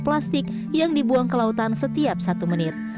kapal race for water ada tiga truk sampah yang dibuang ke lautan setiap satu menit